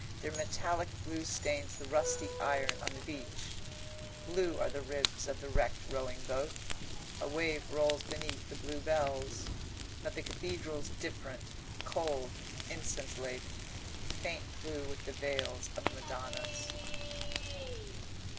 Their metallic blue stains the rusty iron on the beach. Blue are the ribs of the wrecked rowing boat. A wave rolls beneath the blue bells. But the cathedral's different, cold, incense laden, faint blue with the veils of madonnas.